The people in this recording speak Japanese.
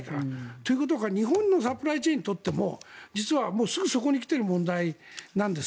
ということだから、日本のサプライチェーンにとっても実はすぐそこに来ている問題なんです。